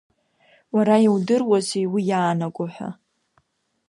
Уара иудыруазеи уи иианаго ҳәа?